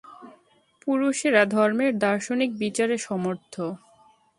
পুরুষেরা ধর্মের দার্শনিক বিচারে সমর্থ।